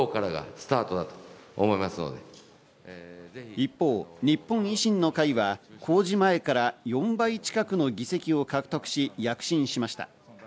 一方、日本維新の会は公示前から４倍近くの議席を獲得し、躍進しました。